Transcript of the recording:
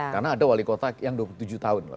karena ada wali kota yang dua puluh tujuh tahun loh